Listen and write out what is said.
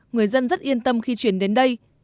người dân rất yên tâm khi chuyển đến đây